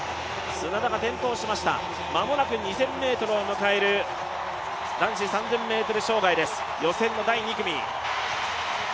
砂田が転倒しました、間もなく２０００ｍを迎える男子３０００ｍ障害です、予選の第２組。